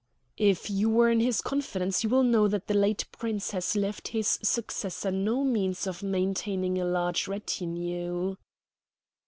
"If you were in his confidence, you will know that the late Prince has left to his successor no means of maintaining a large retinue."